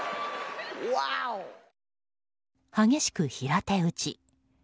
激しく平手打ち。